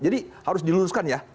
jadi harus diluluskan ya